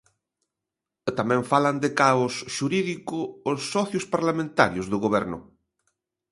Tamén falan de caos xurídico os socios parlamentarios do Goberno.